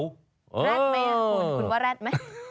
แรดไหมคุณคุณว่าแร็ดไหม